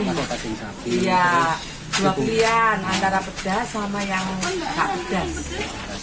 iya dua pilihan antara pedas sama yang tak pedas